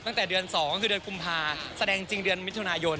ตั้งแต่เดือน๒ก็คือเดือนกุมภาแสดงจริงเดือนมิถุนายน